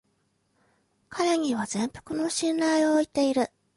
彼には全幅の信頼を置いている